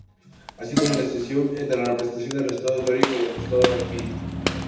Así como la excepción entre la representación del resultado teórico y del resultado empírico.